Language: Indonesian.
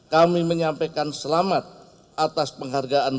kami menyampaikan selamat atas penghargaan